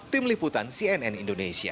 tim liputan cnn indonesia